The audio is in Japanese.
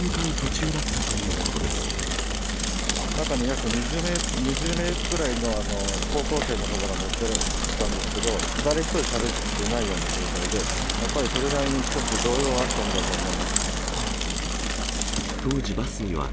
中に約２０名くらいの高校生の方が乗ってたんですけど、誰一人しゃべってない状態で、やっぱりそれなりに少し動揺はあ